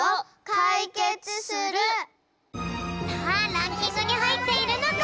さあランキングにはいっているのか！